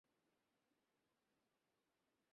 হ্যাঁ, তুমি এনেছ।